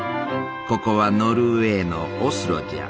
ここはノルウェーのオスロじゃ。